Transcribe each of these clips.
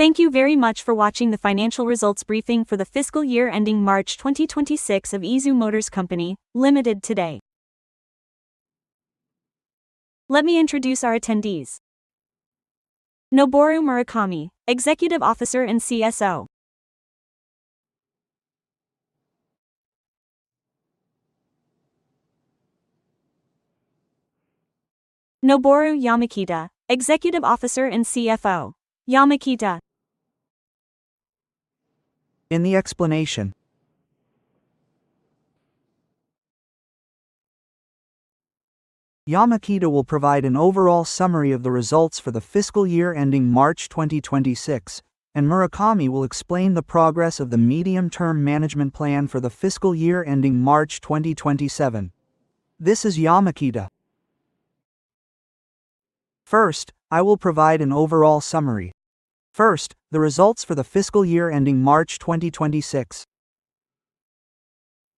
Thank you very much for watching the financial results briefing for the fiscal year ending March 2026 of Isuzu Motors Company, Limited today. Let me introduce our attendees. Noboru Murakami, Executive Officer and CSO. Fumiya Yamakita, Executive Officer and CFO. In the explanation, Yamakita will provide an overall summary of the results for the fiscal year ending March 2026. Murakami will explain the progress of the medium-term management plan for the fiscal year ending March 2027. This is Yamakita. First, I will provide an overall summary. First, the results for the fiscal year ending March 2026.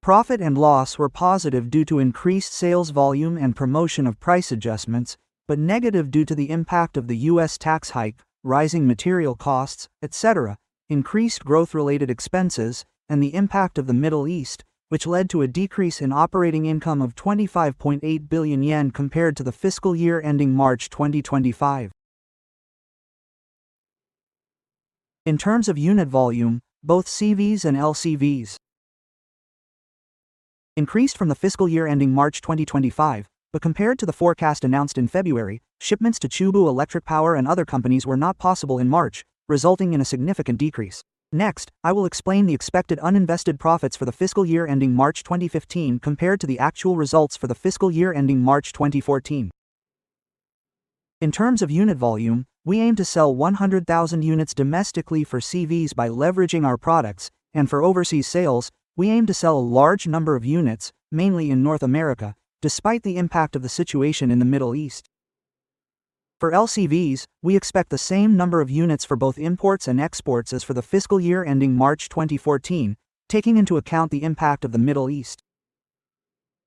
Profit and loss were positive due to increased sales volume and promotion of price adjustments, but negative due to the impact of the U.S. tax hike, rising material costs, etc., increased growth-related expenses, and the impact of the Middle East, which led to a decrease in operating income of 25.8 billion yen compared to the fiscal year ending March 2025. In terms of unit volume, both CVs and LCVs increased from the fiscal year ending March 2025. Compared to the forecast announced in February, shipments to Chubu Electric Power and other companies were not possible in March, resulting in a significant decrease. Next, I will explain the expected uninvested profits for the fiscal year ending March 2015 compared to the actual results for the fiscal year ending March 2014. In terms of unit volume, we aim to sell 100,000 units domestically for CVs by leveraging our products, and for overseas sales, we aim to sell a large number of units, mainly in North America, despite the impact of the situation in the Middle East. For LCVs, we expect the same number of units for both imports and exports as for the fiscal year ending March 2014, taking into account the impact of the Middle East.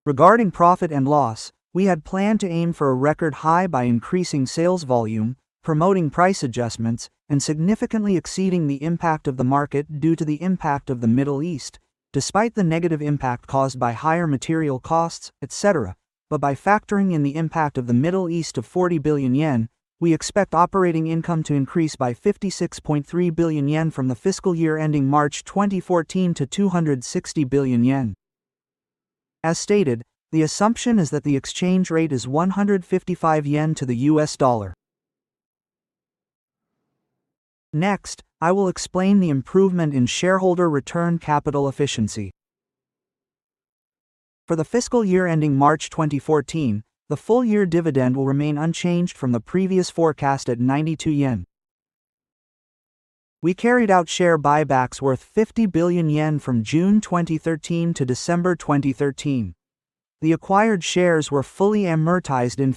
Regarding profit and loss, we had planned to aim for a record high by increasing sales volume, promoting price adjustments, significantly exceeding the impact of the market due to the impact of the Middle East, despite the negative impact caused by higher material costs, etc., but by factoring in the impact of the Middle East of 40 billion yen, we expect operating income to increase by 56.3 billion yen from the fiscal year ending March 2014 to 260 billion yen. As stated, the assumption is that the exchange rate is 155 yen to the US dollar. I will explain the improvement in shareholder return capital efficiency. For the fiscal year ending March 2014, the full-year dividend will remain unchanged from the previous forecast at 92 yen. We carried out share buybacks worth 50 billion yen from June 2013 to December 2013. The acquired shares were fully amortized in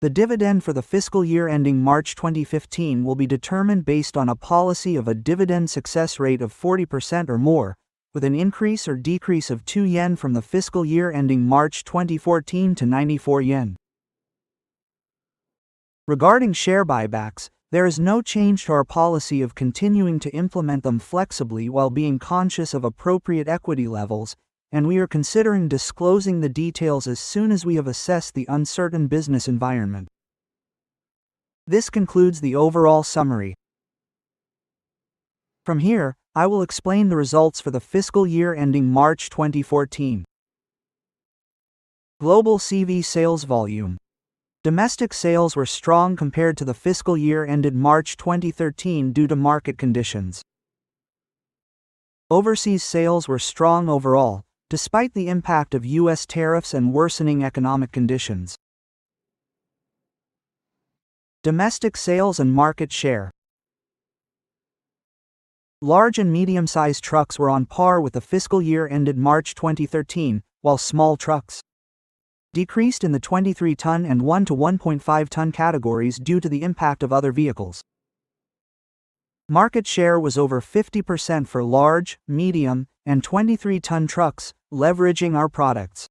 February. The dividend for the fiscal year ending March 2015 will be determined based on a policy of a dividend success rate of 40% or more, with an increase or decrease of 2 yen from the fiscal year ending March 2014 to 94 yen. Regarding share buybacks, there is no change to our policy of continuing to implement them flexibly while being conscious of appropriate equity levels, and we are considering disclosing the details as soon as we have assessed the uncertain business environment. This concludes the overall summary. From here, I will explain the results for the fiscal year ending March 2014. Global CV sales volume. Domestic sales were strong compared to the fiscal year ended March 2013 due to market conditions. Overseas sales were strong overall, despite the impact of U.S. tariffs and worsening economic conditions. Domestic sales and market share. Large and medium-sized trucks were on par with the fiscal year ended March 2013, while small trucks decreased in the 23-ton and 1 to 1.5-ton categories due to the impact of other vehicles. Market share was over 50% for large, medium, and 23-ton trucks, leveraging our products.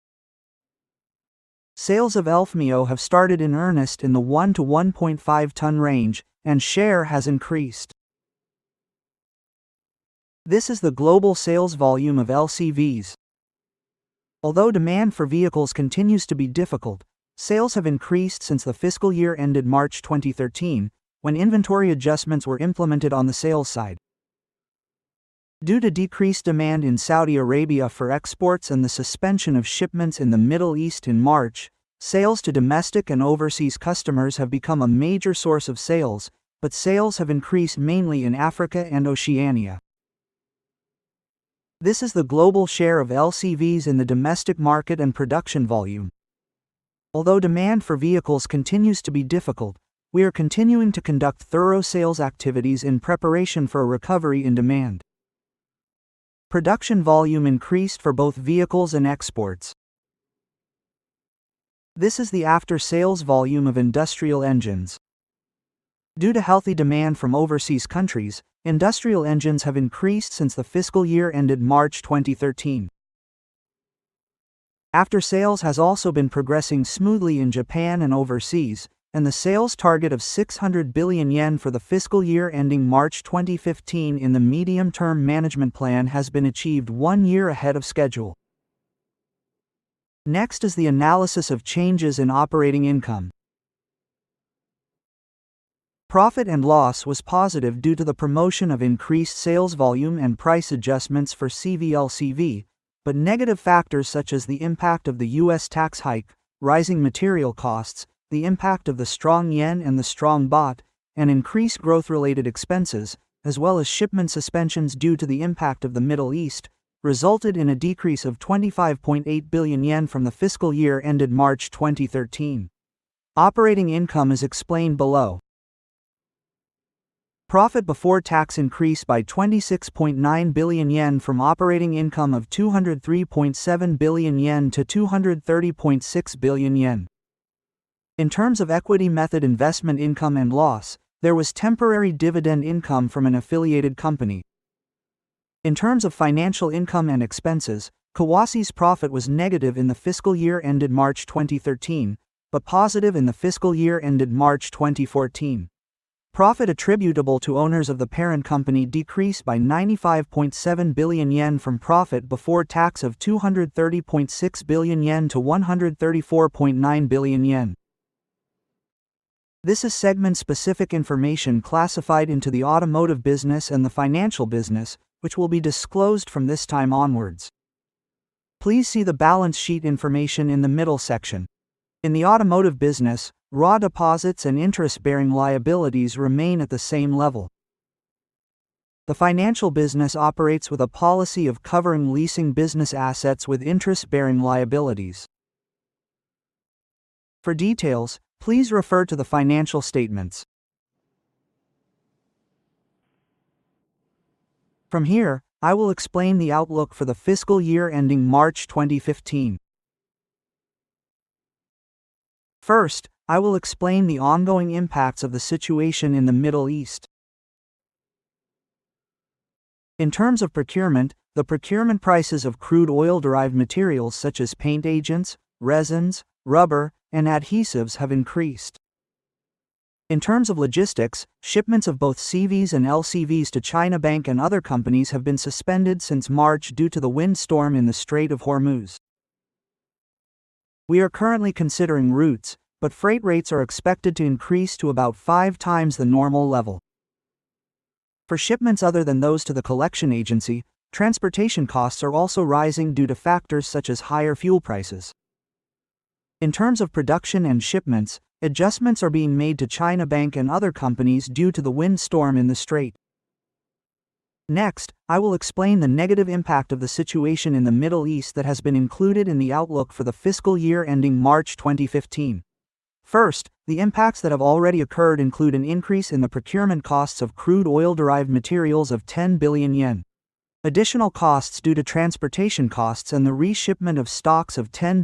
Sales of Elf Mio have started in earnest in the 1 to 1.5-ton range, and share has increased. This is the global sales volume of LCVs. Although demand for vehicles continues to be difficult, sales have increased since the fiscal year ended March 2013, when inventory adjustments were implemented on the sales side. Due to decreased demand in Saudi Arabia for exports and the suspension of shipments in the Middle East in March, sales to domestic and overseas customers have become a major source of sales, but sales have increased mainly in Africa and Oceania. This is the global share of LCVs in the domestic market and production volume. Although demand for vehicles continues to be difficult, we are continuing to conduct thorough sales activities in preparation for a recovery in demand. Production volume increased for both vehicles and exports. This is the after-sales volume of industrial engines. Due to healthy demand from overseas countries, industrial engines have increased since the fiscal year ended March 2013. After sales has also been progressing smoothly in Japan and overseas, and the sales target of 600 billion yen for the fiscal year ending March 2015 in the medium-term management plan has been achieved one year ahead of schedule. Next is the analysis of changes in operating income. Profit and loss was positive due to the promotion of increased sales volume and price adjustments for CV/LCV, but negative factors such as the impact of the U.S. tax hike, rising material costs, the impact of the strong yen and the strong baht, and increased growth-related expenses, as well as shipment suspensions due to the impact of the Middle East, resulted in a decrease of 25.8 billion yen from the fiscal year ended March 2013. Operating income is explained below. Profit before tax increased by 26.9 billion yen from operating income of 203.7 billion-230.6 billion yen. In terms of equity method investment income and loss, there was temporary dividend income from an affiliated company. In terms of financial income and expenses, Kawasaki's profit was negative in the fiscal year ended March 2013, but positive in the fiscal year ended March 2014. Profit attributable to owners of the parent company decreased by 95.7 billion yen from profit before tax of 230.6 billion-134.9 billion yen. This is segment-specific information classified into the automotive business and the financial business, which will be disclosed from this time onwards. Please see the balance sheet information in the middle section. In the automotive business, raw deposits and interest-bearing liabilities remain at the same level. The financial business operates with a policy of covering leasing business assets with interest-bearing liabilities. For details, please refer to the financial statements. I will explain the outlook for the fiscal year ending March 2015. I will explain the ongoing impacts of the situation in the Middle East. In terms of procurement, the procurement prices of crude oil-derived materials such as paint agents, resins, rubber, and adhesives have increased. In terms of logistics, shipments of both CVs and LCVs to China Bank and other companies have been suspended since March due to the windstorm in the Strait of Hormuz. We are currently considering routes, freight rates are expected to increase to about 5x the normal level. For shipments other than those to the collection agency, transportation costs are also rising due to factors such as higher fuel prices. In terms of production and shipments, adjustments are being made to China Bank and other companies due to the windstorm in the strait. I will explain the negative impact of the situation in the Middle East that has been included in the outlook for the fiscal year ending March 2015. The impacts that have already occurred include an increase in the procurement costs of crude oil-derived materials of 10 billion yen. Additional costs due to transportation costs and the reshipment of stocks of 10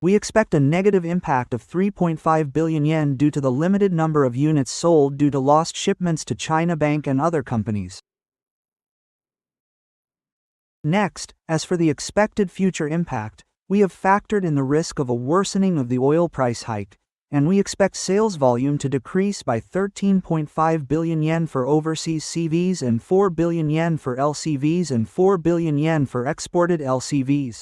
billion yen. We expect a negative impact of 3.5 billion yen due to the limited number of units sold due to lost shipments to China Bank and other companies. Next, as for the expected future impact, we have factored in the risk of a worsening of the oil price hike, and we expect sales volume to decrease by 13.5 billion yen for overseas CVs and 4 billion yen for LCVs and 4 billion yen for exported LCVs.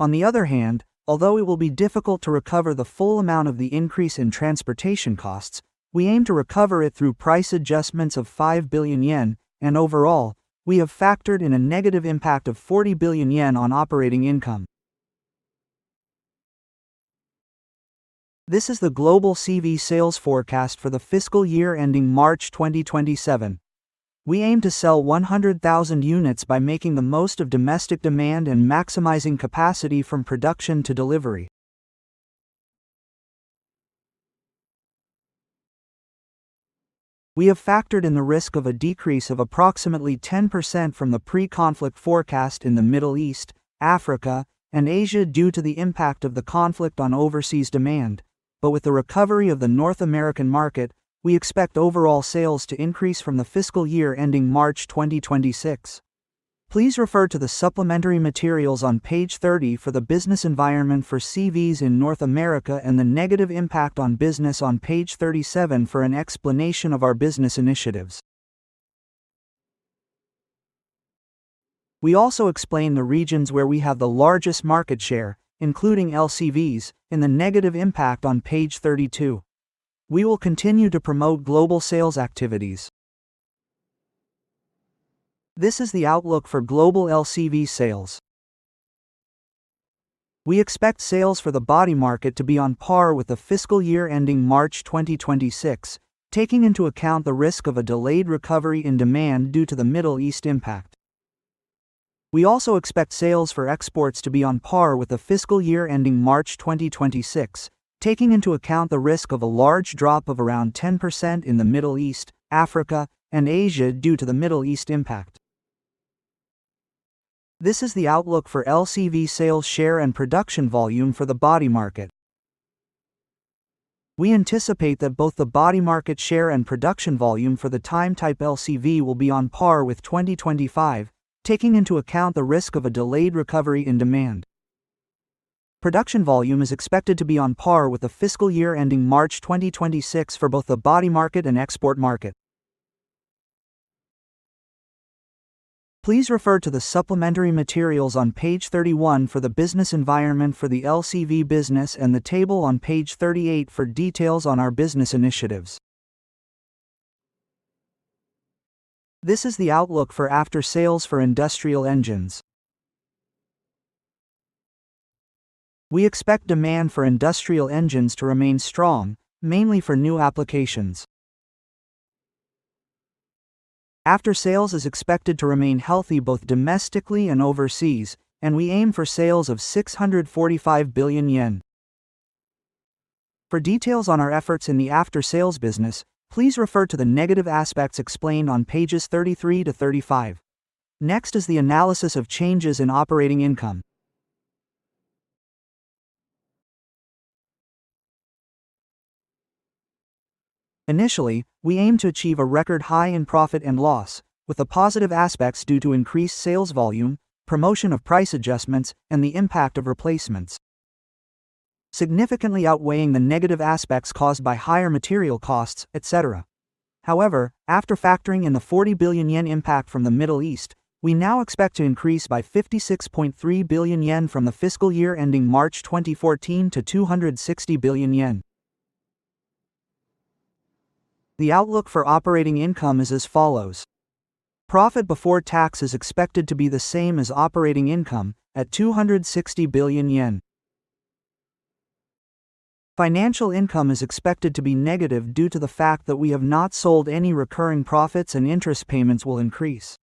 On the other hand, although it will be difficult to recover the full amount of the increase in transportation costs, we aim to recover it through price adjustments of 5 billion yen. Overall, we have factored in a negative impact of 40 billion yen on operating income. This is the global CV sales forecast for the fiscal year ending March 2027. We aim to sell 100,000 units by making the most of domestic demand and maximizing capacity from production to delivery. We have factored in the risk of a decrease of approximately 10% from the pre-conflict forecast in the Middle East, Africa, and Asia due to the impact of the conflict on overseas demand. With the recovery of the North American market, we expect overall sales to increase from the fiscal year ending March 2026. Please refer to the supplementary materials on page 30 for the business environment for CVs in North America and the negative impact on business on page 37 for an explanation of our business initiatives. We also explain the regions where we have the largest market share, including LCVs, in the negative impact on page 32. We will continue to promote global sales activities. This is the outlook for global LCV sales. We expect sales for the body market to be on par with the fiscal year ending March 2026, taking into account the risk of a delayed recovery in demand due to the Middle East impact. We also expect sales for exports to be on par with the fiscal year ending March 2026, taking into account the risk of a large drop of around 10% in the Middle East, Africa, and Asia due to the Middle East impact. This is the outlook for LCV sales share and production volume for the body market. We anticipate that both the body market share and production volume for the time type LCV will be on par with 2025, taking into account the risk of a delayed recovery in demand. Production volume is expected to be on par with the fiscal year ending March 2026 for both the body market and export market. Please refer to the supplementary materials on page 31 for the business environment for the LCV business and the table on page 38 for details on our business initiatives. This is the outlook for after sales for industrial engines. We expect demand for industrial engines to remain strong, mainly for new applications. After sales is expected to remain healthy both domestically and overseas, and we aim for sales of 645 billion yen. For details on our efforts in the after sales business, please refer to the negative aspects explained on pages 33-35. Next is the analysis of changes in operating income. Initially, we aim to achieve a record high in profit and loss with the positive aspects due to increased sales volume, promotion of price adjustments, and the impact of replacements, significantly outweighing the negative aspects caused by higher material costs, et cetera. However, after factoring in the 40 billion yen impact from the Middle East, we now expect to increase by 56.3 billion yen from the fiscal year ending March 2014 to 260 billion yen. The outlook for operating income is as follows. Profit before tax is expected to be the same as operating income at 260 billion yen. Financial income is expected to be negative due to the fact that we have not sold any recurring profits, and interest payments will increase.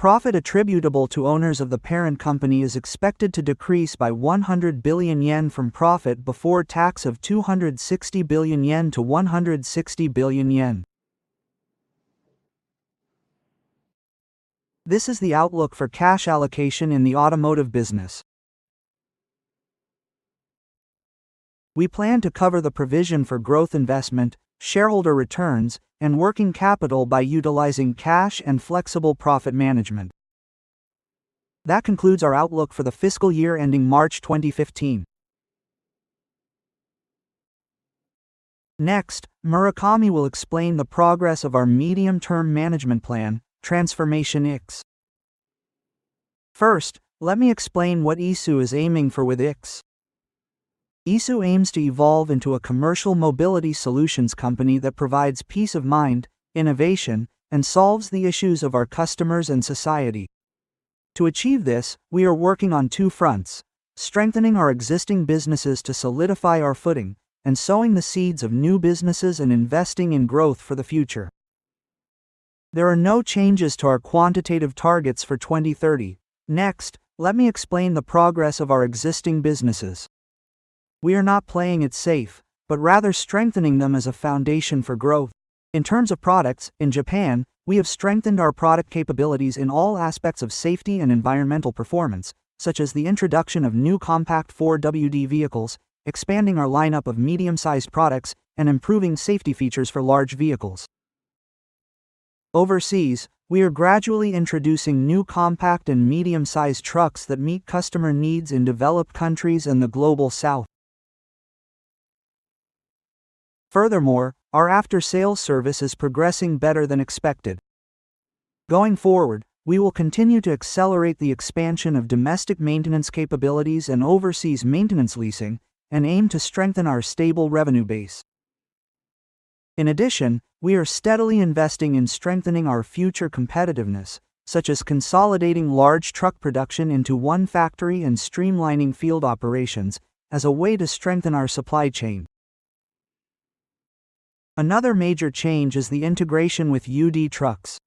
Profit attributable to owners of the parent company is expected to decrease by 100 billion yen from profit before tax of 260 billion yen to 160 billion yen. This is the outlook for cash allocation in the automotive business. We plan to cover the provision for growth investment, shareholder returns, and working capital by utilizing cash and flexible profit management. That concludes our outlook for the fiscal year ending March 2015. Next, Murakami will explain the progress of our medium-term management plan, Transformation IX. First, let me explain what Isuzu is aiming for with IX. Isuzu aims to evolve into a commercial mobility solutions company that provides peace of mind, innovation, and solves the issues of our customers and society. To achieve this, we are working on two fronts, strengthening our existing businesses to solidify our footing and sowing the seeds of new businesses and investing in growth for the future. There are no changes to our quantitative targets for 2030. Let me explain the progress of our existing businesses. We are not playing it safe, but rather strengthening them as a foundation for growth. In terms of products, in Japan, we have strengthened our product capabilities in all aspects of safety and environmental performance, such as the introduction of new compact 4WD vehicles, expanding our lineup of medium-sized products, and improving safety features for large vehicles. Overseas, we are gradually introducing new compact and medium-sized trucks that meet customer needs in developed countries and the Global South. Our after-sales service is progressing better than expected. We will continue to accelerate the expansion of domestic maintenance capabilities and overseas maintenance leasing and aim to strengthen our stable revenue base. We are steadily investing in strengthening our future competitiveness, such as consolidating large truck production into one factory and streamlining field operations as a way to strengthen our supply chain. Another major change is the integration with UD Trucks.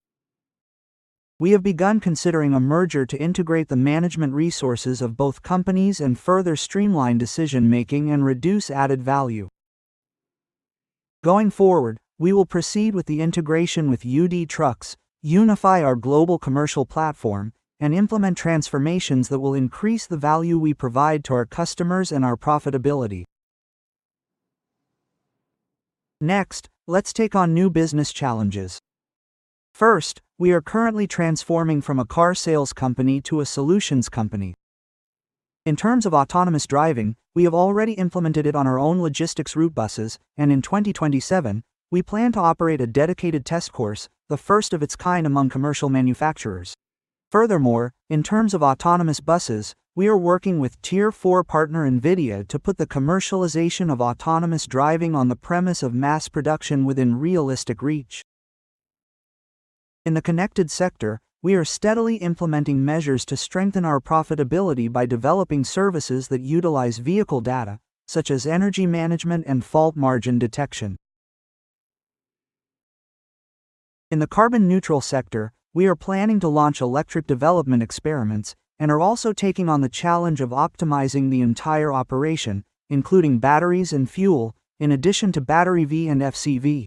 We have begun considering a merger to integrate the management resources of both companies and further streamline decision-making and reduce added value. We will proceed with the integration with UD Trucks, unify our global commercial platform, and implement transformations that will increase the value we provide to our customers and our profitability. Let's take on new business challenges. We are currently transforming from a car sales company to a solutions company. In terms of autonomous driving, we have already implemented it on our own logistics route buses, and in 2027, we plan to operate a dedicated test course, the first of its kind among commercial manufacturers. Furthermore, in terms of autonomous buses, we are working with Tier IV partner NVIDIA to put the commercialization of autonomous driving on the premise of mass production within realistic reach. In the connected sector, we are steadily implementing measures to strengthen our profitability by developing services that utilize vehicle data, such as energy management and fault margin detection. In the carbon neutral sector, we are planning to launch electric development experiments and are also taking on the challenge of optimizing the entire operation, including batteries and fuel, in addition to BEV and FCV.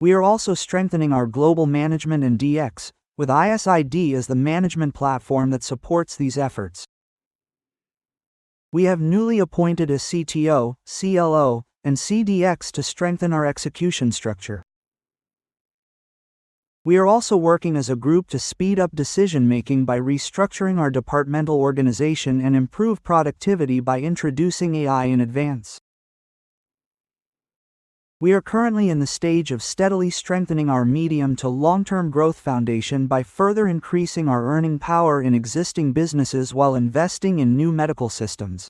We are also strengthening our global management and DX with ISID as the management platform that supports these efforts. We have newly appointed a CTO, CLO, and CDXO to strengthen our execution structure. We are also working as a group to speed up decision-making by restructuring our departmental organization and improve productivity by introducing AI in advance. We are currently in the stage of steadily strengthening our medium to long-term growth foundation by further increasing our earning power in existing businesses while investing in new medical systems.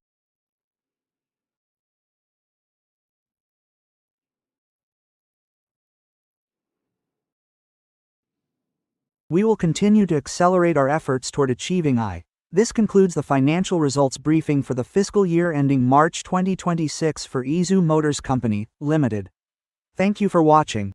We will continue to accelerate our efforts toward achieving IX. This concludes the financial results briefing for the fiscal year ending March 2026 for Isuzu Motors Limited. Thank you for watching.